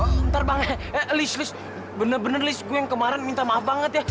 bentar bang eh liz bener bener liz gue yang kemarin minta maaf banget ya